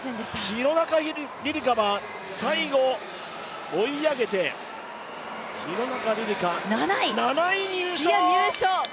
廣中璃梨佳は最後、追い上げて７位入賞！